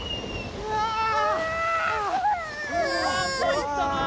うわまいったなぁ